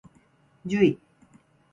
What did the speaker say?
じゅい